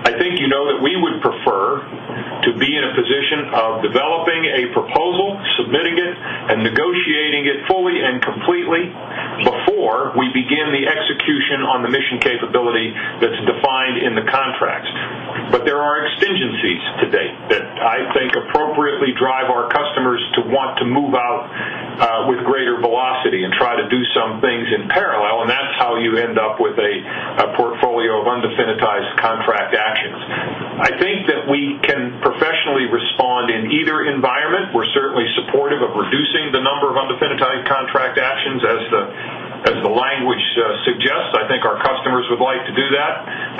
I think you know that we would prefer to be in a position of developing a proposal, submitting it, and negotiating it fully and completely before we begin the execution on the mission capability that's defined in the contracts. There are contingencies to date that I think appropriately drive our customers to want to move out with greater velocity and try to do some things in parallel, and that's how you end up with a portfolio of undefended contract actions. I think that we can professionally respond in either environment. We're certainly supportive of reducing the number of undefended contract actions as the language suggests. I think our customers would like to do that.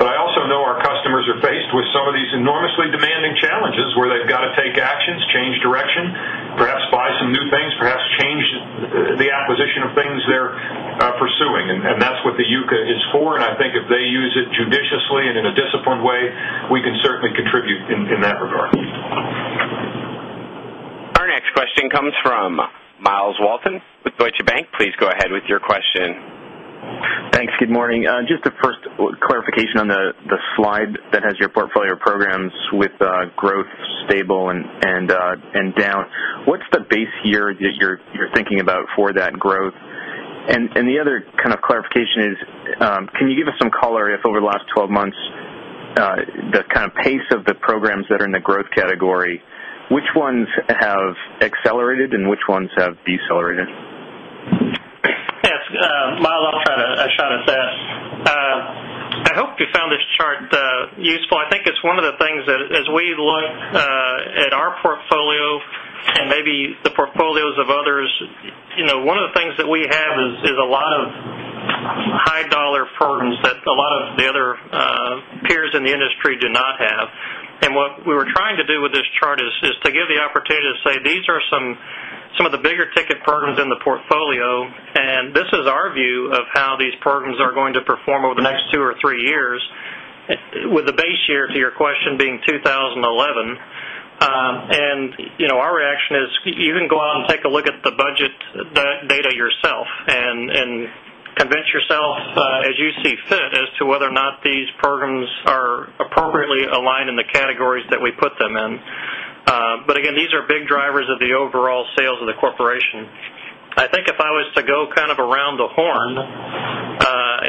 I also know our customers are faced with some of these enormously demanding challenges where they've got to take actions, change direction, perhaps buy some new things, perhaps change the acquisition of things they're pursuing. That's what the UCA is for. I think if they use it judiciously and in a disciplined way, we can certainly contribute in that regard. Our next question comes from Myles Walton with Deutsche Bank. Please go ahead with your question. Thanks. Good morning. Just a first clarification on the slide that has your portfolio programs with growth, stable, and down. What's the base here that you're thinking about for that growth? The other kind of clarification is, can you give us some color if over the last 12 months, the kind of pace of the programs that are in the growth category, which ones have accelerated and which ones have decelerated? Yes, Myles, I'll try to shot at that. I hope you found this chart useful. I think it's one of the things that, as we look at our portfolio and maybe the portfolios of others, you know, one of the things that we have is a lot of high-dollar programs that a lot of the other peers in the industry do not have. What we were trying to do with this chart is to give the opportunity to say these are some of the bigger ticket programs in the portfolio, and this is our view of how these programs are going to perform over the next two or three years, with the base year to your question being 2011. You know, our reaction is you can go out and take a look at the budget data yourself and convince yourself as you see fit as to whether or not these programs are appropriately aligned in the categories that we put them in. Again, these are big drivers of the overall sales of the corporation. I think if I was to go kind of around the horn,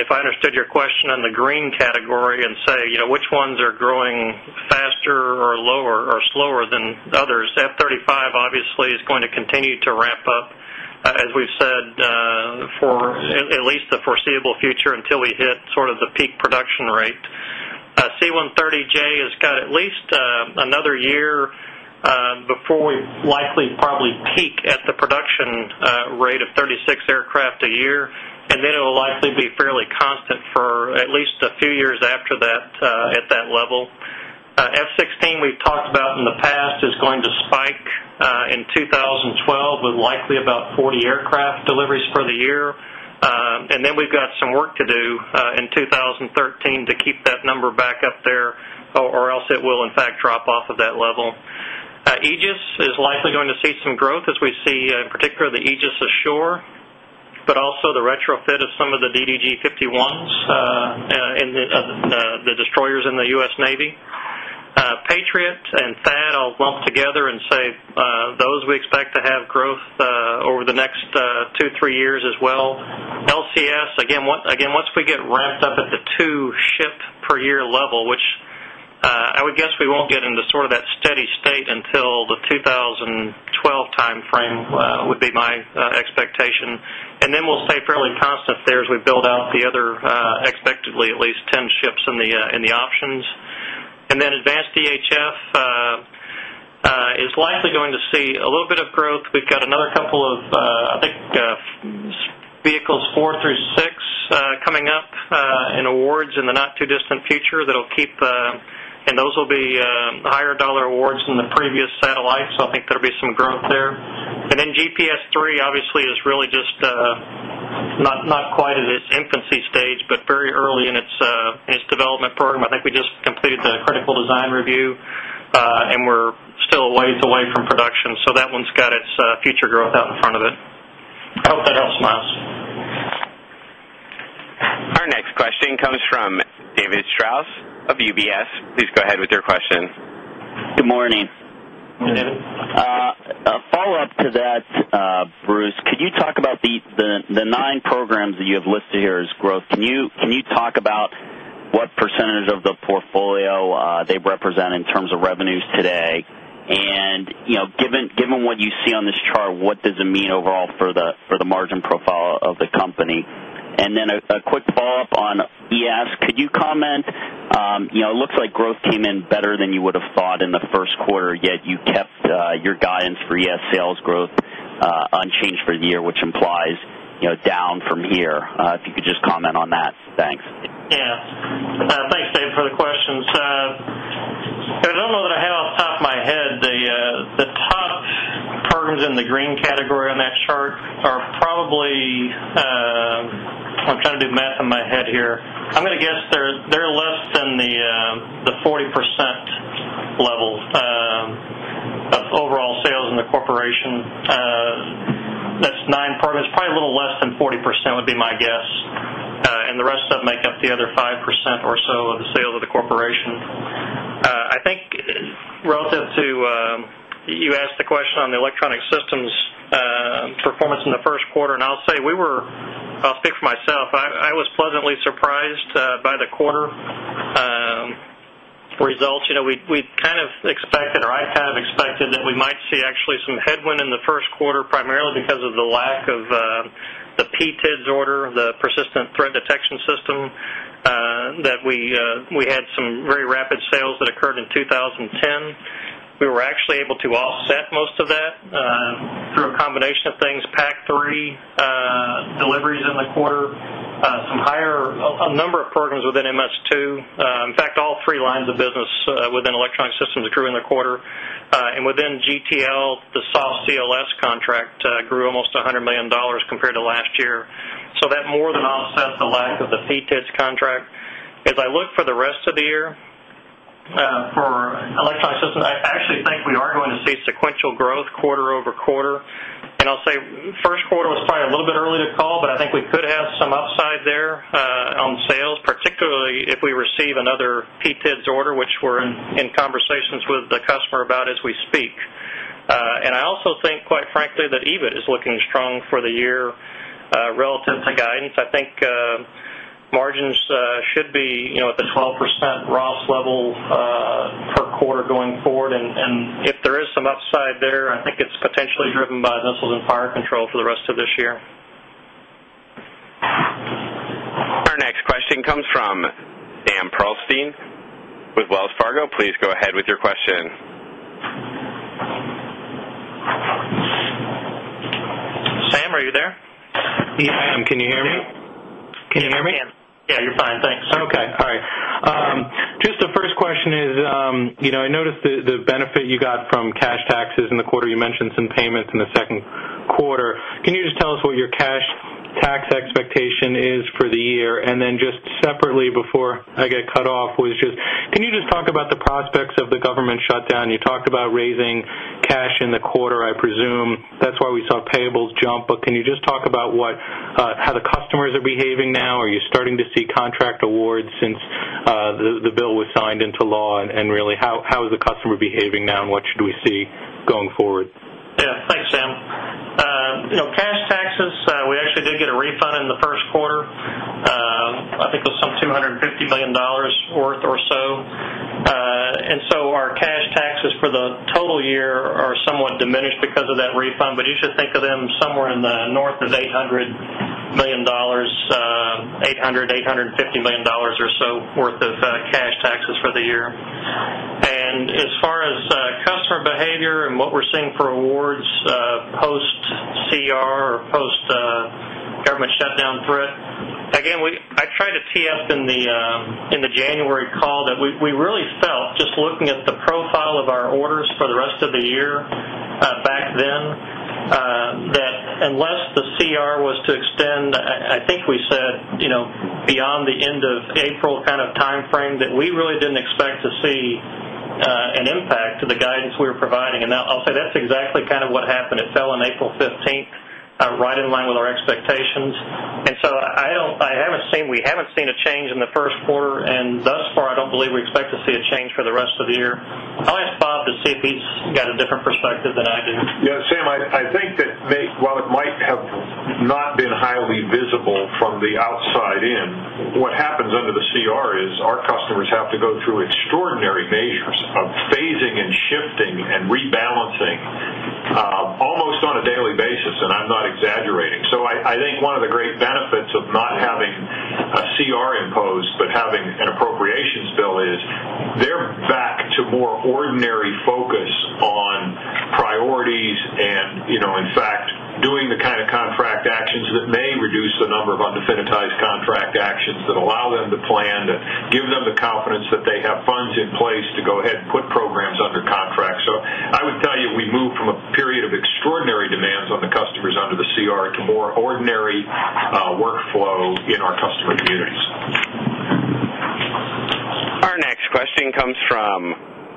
if I understood your question on the green category and say, you know, which ones are growing faster or lower or slower than others, F-35 obviously is going to continue to ramp up, as we've said, for at least the foreseeable future until we hit sort of the peak production rate. C-130J has got at least another year before we likely probably peak at the production rate of 36 aircraft a year, and then it will likely be fairly constant for at least a few years after that at that level. F-16, we've talked about in the past, is going to spike in 2012 with likely about 40 aircraft deliveries for the year. We've got some work to do in 2013 to keep that number back up there, or else it will, in fact, drop off of that level. Aegis is likely going to see some growth, as we see in particular the Aegis Ashore, but also the retrofit of some of the DDG-51s and the destroyers in the U.S. Navy. Patriot and THAAD all lumped together and say those we expect to have growth over the next two, three years as well. LCS, once we get ramped up at the two ship per year level, which I would guess we won't get into sort of that steady state until the 2012 timeframe would be my expectation. We'll stay fairly constant there as we build out the other expectedly at least 10 ships in the options. Advanced EHF is likely going to see a little bit of growth. We've got another couple of, I think, vehicles four through six coming up in awards in the not-too-distant future that will keep, and those will be higher dollar awards than the previous satellites. I think there will be some growth there. GPS-3 obviously is really just not quite at its infancy stage, but very early in its development program. I think we just completed the critical design review, and we're still ways away from production. That one's got its future growth out in front of it. I hope that helps, Myles. Our next question comes from David Strauss of UBS. Please go ahead with your question. Good morning. Good morning David. A follow-up to that, Bruce, could you talk about the nine programs that you have listed here as growth? Can you talk about what percentage of the portfolio they represent in terms of revenues today? Given what you see on this chart, what does it mean overall for the margin profile of the company? A quick follow-up on ES, could you comment? It looks like growth came in better than you would have thought in the first quarter, yet you kept your guidance for ES sales growth unchanged for the year, which implies down from here. If you could just comment on that, thanks. Yeah. Thanks, David, for the questions. I don't know that I have off the top of my head. The top programs in the green category on that chart are probably, I'm trying to do math in my head here. I'm going to guess they're less than the 40% level of overall sales in the corporation. That's nine programs. It's probably a little less than 40% would be my guess. The rest of them make up the other 5% or so of the sales of the corporation. I think relative to, you asked the question on the electronic systems performance in the first quarter, I'll say we were, I'll speak for myself, I was pleasantly surprised by the quarter results. You know, we kind of expected, or I have expected, that we might see actually some headwind in the first quarter, primarily because of the lack of the PTDS order, the Persistent Threat Detection System, that we had some very rapid sales that occurred in 2010. We were actually able to offset most of that through a combination of things, PAC-3 deliveries in the quarter, some higher, a number of programs within MS2. In fact, all three lines of business within electronic systems grew in the quarter. Within GTL, the SOFSA CLS contract grew almost $100 million compared to last year. That more than offsets the lack of the PTDS contract. As I look for the rest of the year for Electronic Systems, I actually think we are going to see sequential growth quarter-over-quarter. I'll say first quarter was probably a little bit early to call, but I think we could have some upside there on sales, particularly if we receive another PTDS order, which we're in conversations with the customer about as we speak. I also think, quite frankly, that EBIT is looking strong for the year relative to guidance. I think margins should be, you know, at the 12% ROS level per quarter going forward. If there is some upside there, I think it's potentially driven by missiles and fire control for the rest of this year. Our next question comes from Sam Pearlstein with Wells Fargo. Please go ahead with your question. Sam, are you there? Yes, I am. Can you hear me? Yeah, you're fine. Thanks. Okay. All right. Just the first question is, you know, I noticed the benefit you got from cash taxes in the quarter. You mentioned some payments in the second quarter. Can you just tell us what your cash tax expectation is for the year? Just separately, before I get cut off, can you just talk about the prospects of the government shutdown? You talked about raising cash in the quarter, I presume. That's why we saw payables jump. Can you just talk about how the customers are behaving now? Are you starting to see contract awards since the bill was signed into law? Really, how is the customer behaving now and what should we see going forward? Yeah, thanks, Sam. You know, cash taxes, we actually did get a refund in the first quarter. I think it was some $250 million worth or so. Our cash taxes for the total year are somewhat diminished because of that refund, but you should think of them somewhere in the north as $800 million, $850 million or so worth of cash taxes for the year. As far as customer behavior and what we're seeing for awards post-CR or post-government shutdown threat, I tried to tee up in the January call that we really felt, just looking at the profile of our orders for the rest of the year back then, that unless the CR was to extend, I think we said, you know, beyond the end of April kind of timeframe, that we really didn't expect to see an impact to the guidance we were providing. I'll say that's exactly kind of what happened. It fell on April 15th right in line with our expectations. I haven't seen, we haven't seen a change in the first quarter, and thus far, I don't believe we expect to see a change for the rest of the year. I'll ask Bob to see if he's got a different perspective than I do. Yeah, Sam, I think that while it might have not been highly visible from the outside in, what happens under the CR is our customers have to go through extraordinary measures of phasing and shifting and rebalancing almost on a daily basis, and I'm not exaggerating. I think one of the great benefits of not having a CR imposed, but having an appropriations bill, is they're back to more ordinary focus on priorities and, you know, in fact, doing the kind of contract actions that may reduce the number of undefended contract actions that allow them to plan, to give them the confidence that they have funds in place to go ahead and put programs under contract. I would tell you we moved from a period of extraordinary demands on the customers under the CR to more ordinary workflow in our customer communities. Our next question comes from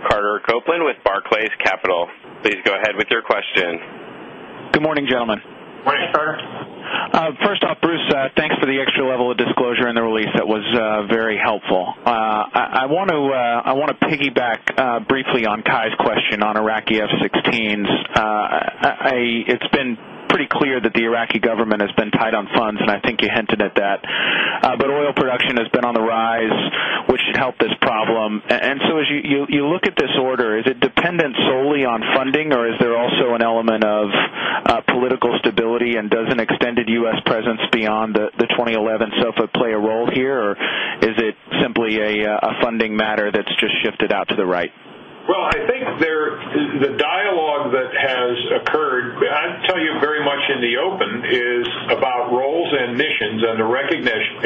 Carter Copeland with Barclays Capital. Please go ahead with your question. Good morning, gentlemen. Morning, Carter. First off, Bruce, thanks for the extra level of disclosure in the release. That was very helpful. I want to piggyback briefly on Cai's question on Iraqi F-16s. It's been pretty clear that the Iraqi government has been tight on funds, and I think you hinted at that. Oil production has been on the rise, which should help this problem. As you look at this order, is it dependent solely on funding, or is there also an element of political stability, and does an extended U.S. presence beyond the 2011 sort of play a role here, or is it simply a funding matter that's just shifted out to the right? I think the dialogue that has occurred, I'd tell you very much in the open, is about roles and missions and the recognition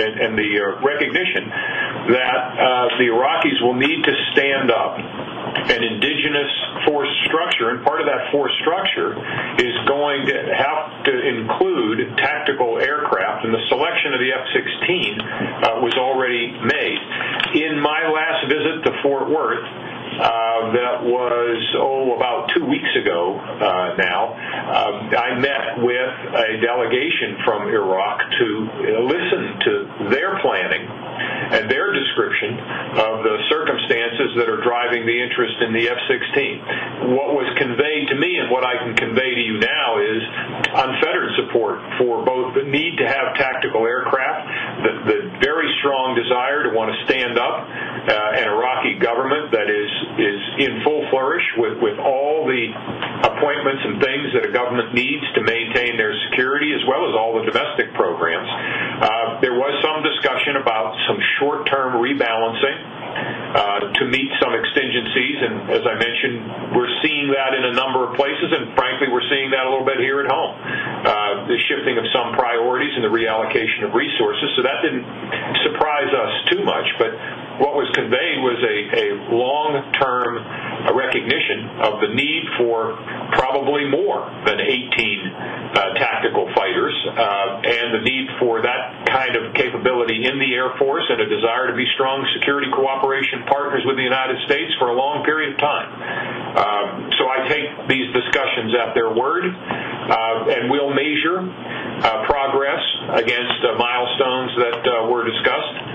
that the Iraqis will need to stand up an indigenous force structure, and part of that force structure is going to have to include tactical aircraft, and the selection of the F-16 was already made. In my last visit to Fort Worth, that was, oh, about two weeks ago now, I met with a delegation from Iraq to listen to their planning and their description of the circumstances that are driving the interest in the F-16. What was conveyed to me and what I can convey to you now is unfettered support for both the need to have tactical aircraft, the very strong desire to want to stand up an Iraqi government that is in full flourish with all the appointments and things that a government needs to maintain their security, as well as all the domestic programs. There was some discussion about some short-term rebalancing to meet some contingencies, and as I mentioned, we're seeing that in a number of places, and frankly, we're seeing that a little bit here at home. The shifting of some priorities and the reallocation of resources, that didn't surprise us too much, but what was conveyed was a long-term recognition of the need for probably more than 18 tactical fighters and the need for that kind of capability in the Air Force and a desire to be strong security cooperation partners with the United States for a long period of time. I take these discussions at their word, and we'll measure progress against the milestones that were discussed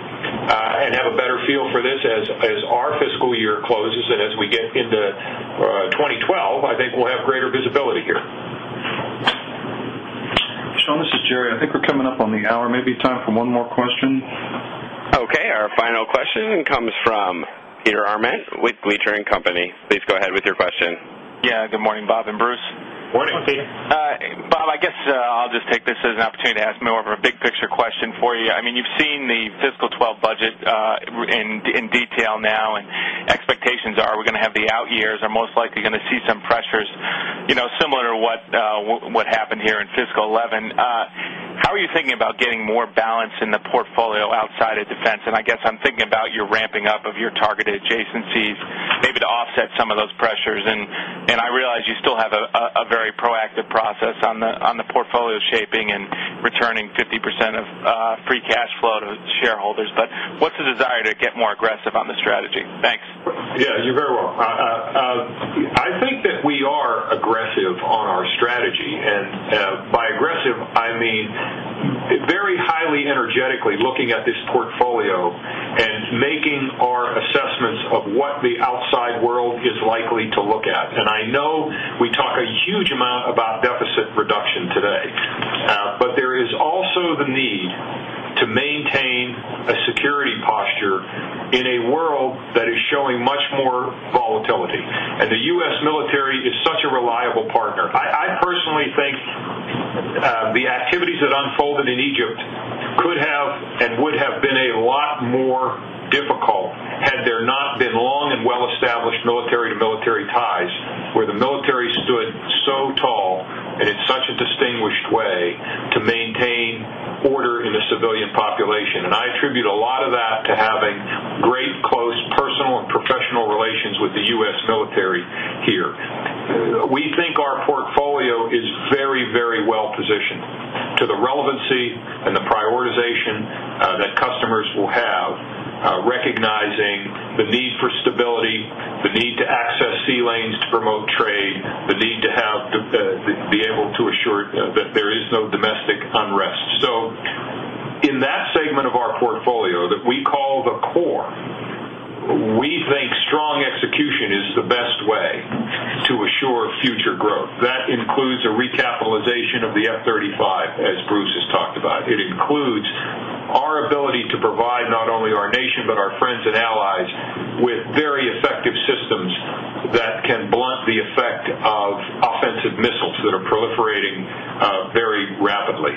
and have a better feel for this as our fiscal year closes and as we get into 2012, I think we'll have greater visibility here. This is Jerry. I think we're coming up on the hour. Maybe time for one more question. Okay, our final question comes from Peter Arment with Gleacher and Company. Please go ahead with your question. Yeah, good morning, Bob and Bruce. Morning. Good morning, Peter. Bob, I guess I'll just take this as an opportunity to ask more of a big picture question for you. I mean, you've seen the fiscal 2012 budget in detail now, and expectations are, are we going to have the out years? Are we most likely going to see some pressures, you know, similar to what happened here in fiscal 2011? How are you thinking about getting more balance in the portfolio outside of defense? I guess I'm thinking about your ramping up of your targeted adjacencies, maybe to offset some of those pressures. I realize you still have a very proactive process on the portfolio shaping and returning 50% of free cash flow to shareholders. What's the desire to get more aggressive on the strategy? Thanks. Yeah, you very well. I think that we are aggressive on our strategy, and by aggressive, I mean very highly energetically looking at this portfolio and making our assessments of what the outside world is likely to look at. I know we talk a huge amount about deficit reduction today, but there is also the need to maintain a security posture in a world that is showing much more volatility. The U.S. military is such a reliable partner. I personally think the activities that unfolded in Egypt could have and would have been a lot more difficult had there not been long and well-established military-to-military ties where the military stood so tall and in such a distinguished way to maintain order in the civilian population. I attribute a lot of that to having great close personal and professional relations with the U.S. military here. We think our portfolio is very, very well positioned to the relevancy and the prioritization that customers will have, recognizing the need for stability, the need to access sea lanes to promote trade, the need to be able to assure that there is no domestic unrest. In that segment of our portfolio that we call the core, we think strong execution is the best way to assure future growth. That includes a recapitalization of the F-35, as Bruce has talked about. It includes our ability to provide not only our nation, but our friends and allies with very effective systems that can blunt the effect of offensive missiles that are proliferating very rapidly.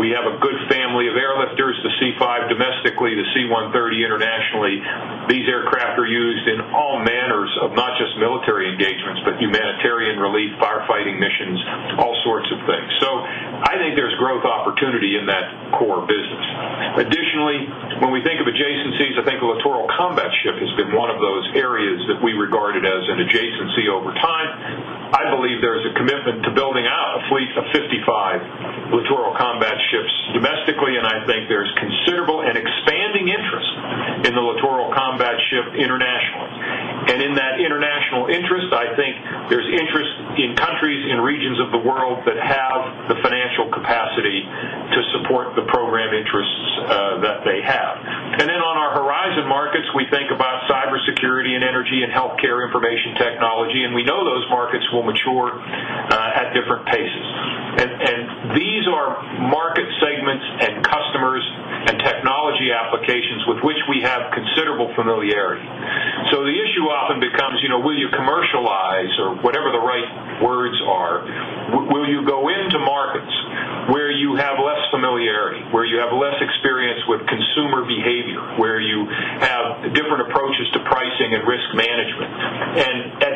We have a good family of airlifters, the C-5 domestically, the C-130 internationally. These aircraft are used in all manners of not just military engagements, but humanitarian relief, firefighting missions, all sorts of things. I think there's growth opportunity in that core business. Additionally, when we think of adjacencies, I think the Littoral Combat Ship has been one of those areas that we regarded as an adjacency over time. I believe there is a commitment to building out a fleet of 55 Littoral Combat Ships domestically, and I think there's considerable and expanding interest in the Littoral Combat Ship internationally. In that international interest, I think there's interest in countries and regions of the world that have the financial capacity to support the program interests that they have. On our horizon markets, we think about cybersecurity and energy and healthcare information technology, and we know those markets will mature at different paces. These are market segments and customers and technology applications with which we have considerable familiarity. The issue often becomes, you know, will you commercialize, or whatever the right words are, will you go into markets where you have less familiarity, where you have less experience with consumer behavior, where you have different approaches to pricing and risk management? At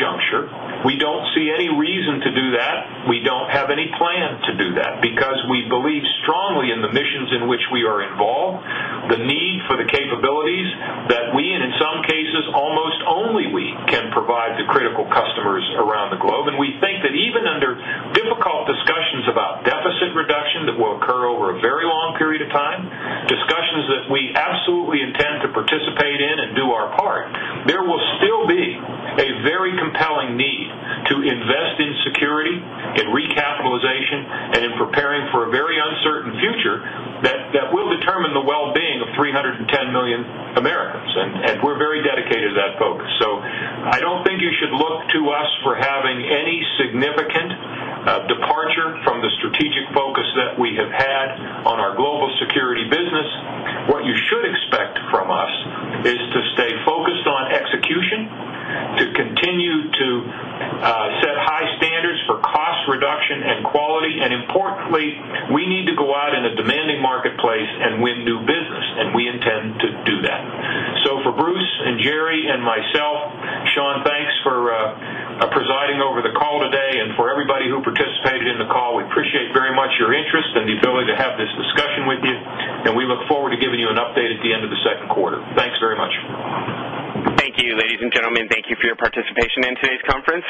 this juncture, we don't see any reason to do that. We don't have any plan to do that because we believe strongly in the missions in which we are involved, the need for the capabilities that we, and in some cases, almost only we can provide to critical customers around the globe. We think that even under difficult discussions about deficit reduction that will occur over a very long period of time, discussions that we absolutely intend to participate in and do our part, there will still be a very compelling need to invest in security, in recapitalization, and in preparing for a very uncertain future that will determine the well-being of 310 million Americans. We're very dedicated to that focus. I don't think you should look to us for having any significant departure from the strategic focus that we have had on our Global Security Business. What you should expect from us is to stay focused on execution, to continue to set high standards for cost reduction and quality, and importantly, we need to go out in a demanding marketplace and win new business, and we intend to do that. For Bruce and Jerry and myself, Sean, thanks for presiding over the call today and for everybody who participated in the call. We appreciate very much your interest and the ability to have this discussion with you, and we look forward to giving you an update at the end of the second quarter. Thanks very much. Thank you, ladies and gentlemen. Thank you for your participation in today's conference.